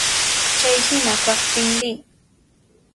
Chay hina kaqtin riy.